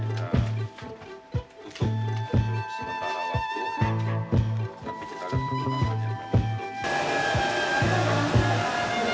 yang tidak tutup di sementara waktu